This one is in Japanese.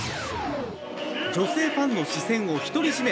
女性ファンの視線を独り占め。